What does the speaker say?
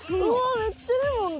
めっちゃレモンだ。